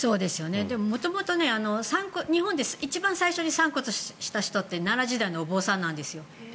元々、日本で一番最初に散骨した人って奈良時代のお坊さんなんですよ。